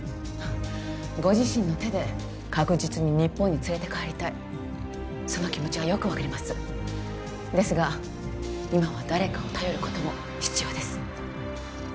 ご自身の手で確実に日本に連れて帰りたいその気持ちはよく分かりますですが今は誰かを頼ることも必要です